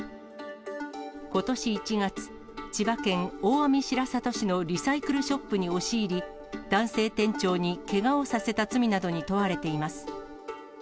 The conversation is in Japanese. ことし１月、千葉県大網白里市のリサイクルショップに押し入り、男性店長にけがをさせた罪などに問われています。